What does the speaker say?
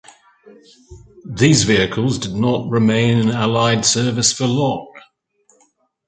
These vehicles did not remain in Allied service for long.